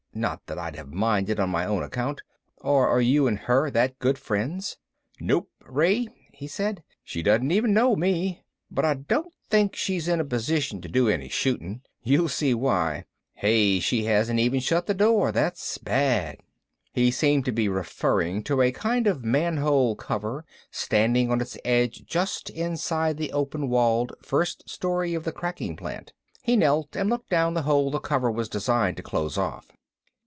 Not that I'd have minded on my own account. "Or are you and her that good friends?" "Nope, Ray," he said, "she doesn't even know me. But I don't think she's in a position to do any shooting. You'll see why. Hey, she hasn't even shut the door. That's bad." He seemed to be referring to a kind of manhole cover standing on its edge just inside the open walled first story of the cracking plant. He knelt and looked down the hole the cover was designed to close off.